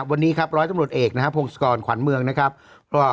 วันนี้ครับร้อยตำรวจเอกนะครับพงศกรขวัญเมืองนะครับก็